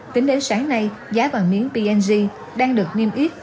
tính đến sáng nay giá vàng miếng p g đang được nghiêm yếp